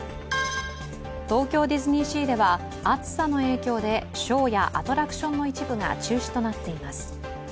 東京ディズニーシーでは暑さの影響でショーやアトラクションの一部が中止となっています。